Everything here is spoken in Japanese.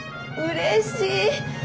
うれしい！